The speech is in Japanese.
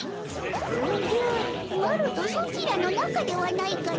おじゃマロとソチらの仲ではないかの。